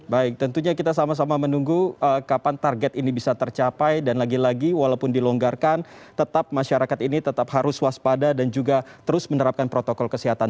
baik tentunya kita sama sama menunggu kapan target ini bisa tercapai dan lagi lagi walaupun dilonggarkan tetap masyarakat ini tetap harus waspada dan juga terus menerapkan protokol kesehatan